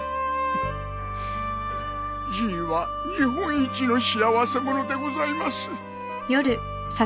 じいは日本一の幸せ者でございます。